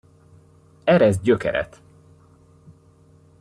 Eressz gyökeret!